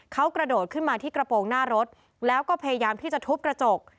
เขากระโดดขึ้นมาที่กระโปรงหน้ารถแล้วก็พยายามที่จะทุบกระจก